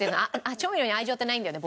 調味料に愛情ってないんだよね